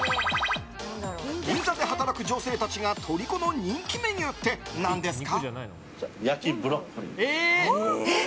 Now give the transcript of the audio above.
銀座で働く女性たちがとりこの人気メニューって何ですか？